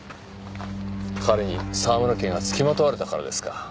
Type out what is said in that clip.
彼に沢村家が付きまとわれたからですか？